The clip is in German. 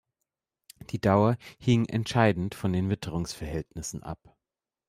Die Dauer hing entscheidend von den Witterungsverhältnissen ab.